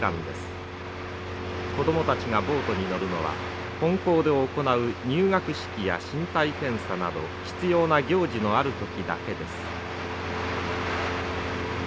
子どもたちがボートに乗るのは本校で行う入学式や身体検査など必要な行事のある時だけです。